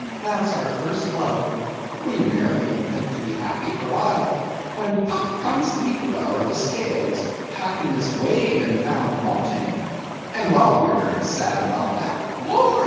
that's our first love; we marry and think to be happy for aye, when pop comes Libra, or the Scales—happiness weighed and found wanting; and while we are very sad about that, Lord!